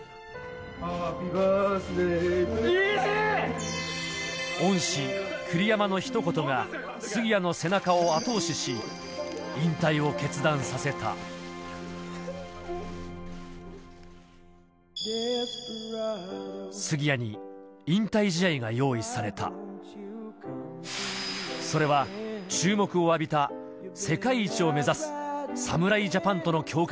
ハッピーバースデートゥーユー恩師栗山のひと言が杉谷の背中を後押しし引退を決断させた杉谷に引退試合が用意されたそれは注目を浴びた世界一を目指す侍ジャパンとの強化